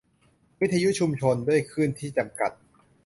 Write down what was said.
วิทยุชุมชน : ด้วยคลื่นที่จำกัด